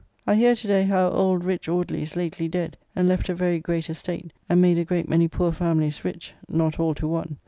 I hear to day how old rich Audley is lately dead, and left a very great estate, and made a great many poor familys rich, not all to one.